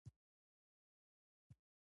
اوه سلنه انجینران په دې برخه کې کار کوي.